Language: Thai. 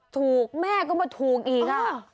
ถูกแม่ก็มาถูกอีก